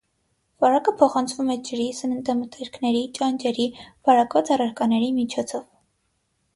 Վարակը փոխանցվում է ջրի, սննդամթերքների, ճանճերի, վարակված առարկաների միջոցով։